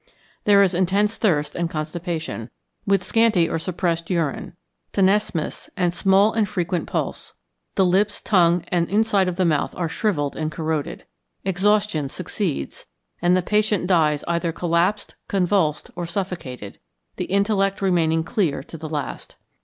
There is intense thirst and constipation, with scanty or suppressed urine, tenesmus, and small and frequent pulse; the lips, tongue, and inside of the mouth, are shrivelled and corroded. Exhaustion succeeds, and the patient dies either collapsed, convulsed, or suffocated, the intellect remaining clear to the last.